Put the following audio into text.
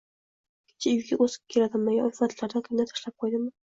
Kecha uyiga o`zi keldimi yo ulfatlardan kimdir tashlab qo`ydimi